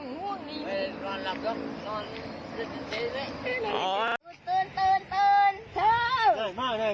ตื่นตื่นตื่น